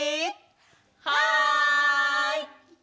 はい！